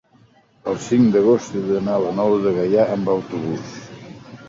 el cinc d'agost he d'anar a la Nou de Gaià amb autobús.